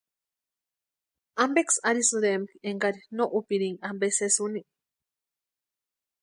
¿Ampeksï arhisïrempki énkari no úpirinka ampe sési úni?